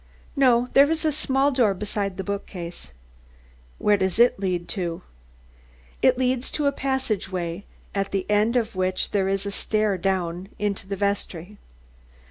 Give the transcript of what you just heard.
"No, there is a small door beside that bookcase." "Where does it lead to?" "It leads to a passageway at the end of which there is a stair down into the vestry."